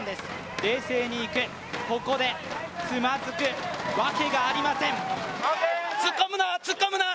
冷静に行く、ここでつまずくわけがありません。